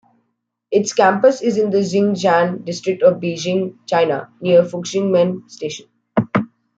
Its campus is in the Xicheng District of Beijing, China, near Fuxingmen Station.